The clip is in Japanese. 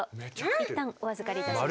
いったんお預かりいたします。